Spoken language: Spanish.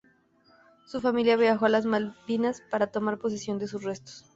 Su familia viajo a las Malvinas para tomar posesión de sus restos.